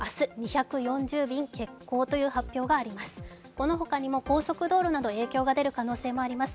このほかにも高速道路など影響が出る可能性もあります。